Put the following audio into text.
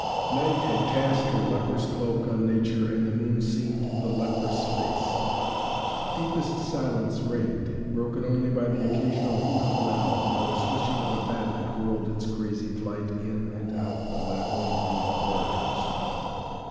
Night had cast her leper's cloak on nature and the moon seemed the leprous face. Deepest silence reigned, broken only by the occasional hoot of an owl, or the swishing of a bat that whirled its crazy flight in and out the labyrinthine corridors.